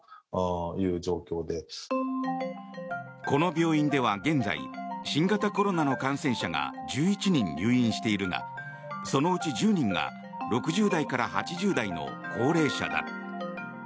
この病院では現在新型コロナの感染者が１１人入院しているがそのうち１０人が６０代から８０代の高齢者だ。